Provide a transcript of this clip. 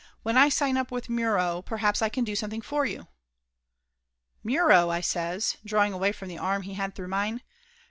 "When I sign up with Muro perhaps I can do something for you." "Muro!" I says, drawing away from the arm he had through mine.